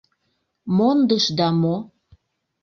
Мондышда мо?